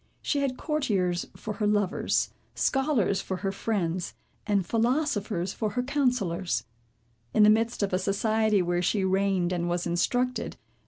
She had courtiers for her lovers, scholars for her friends, and philosophers for her counsellors. In the midst of a society, where she reigned and was instructed.